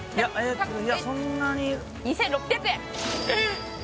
いやそんなに２６００円・えっ！？